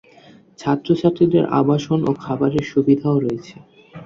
ছাত্র-ছাত্রীদের আবাসন ও খাবারের সুবিধাও রয়েছে।